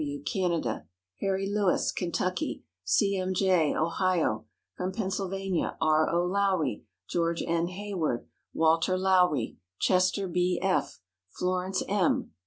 W., Canada; Harry Lewis, Kentucky; C. M. J., Ohio; from Pennsylvania R. O. Lowry, George N. Hayward, Walter Lowry, Chester B. F., Florence M.